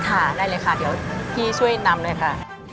ค่ะได้เลยค่ะเดี๋ยวพี่ช่วยนำหน่อยค่ะ